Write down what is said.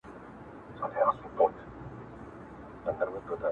او له بلي خوا نړيوال مشروعيت ولري